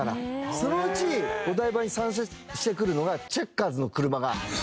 そのうちお台場に参戦してくるのがチェッカーズの車が。